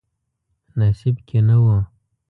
نصیب کې نه و.